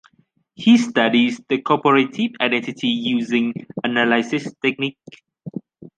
He studies the corporative identity using analysis techniques.